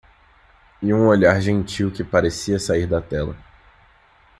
E um olhar gentil que parecia sair da tela.